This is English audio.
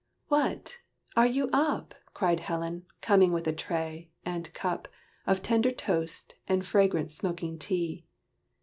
"What! are you up?" Cried Helen, coming with a tray, and cup, Of tender toast, and fragrant smoking tea.